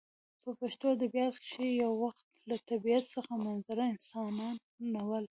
په پښتو ادبیاتو کښي یو وخت له طبیعت څخه منظر انسانان ول.